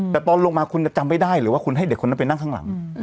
แต่ตอนลงมาคุณจะจำไม่ได้หรือว่าคุณให้เด็กคนนั้นไปนั่งข้างหลัง